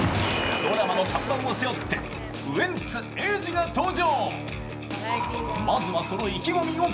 ドラマの看板を背負って、ウエンツ瑛士が登場。